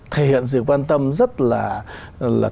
thể hiện sự quan tâm rất là